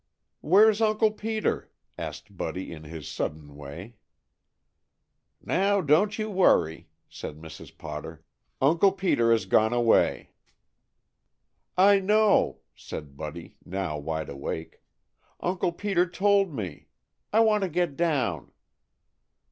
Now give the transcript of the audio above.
"Where's Uncle Peter?" asked Buddy in his sudden way. "Now, don't you worry," said Mrs. Potter. "Uncle Peter has gone away." "I know," said Buddy, now wide awake. "Uncle Peter told me. I want to get down."